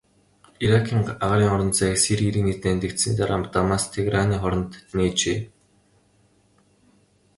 Иракийн агаарын орон зайг Сирийн иргэний дайн дэгдсэний дараа Дамаск-Тегераны хооронд нээжээ.